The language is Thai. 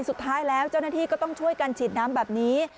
สุดท้ายแล้วเจ้าหน้าที่ก็ต้องช่วยกันฉีดน้ำแบบนี้